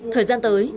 thời gian tới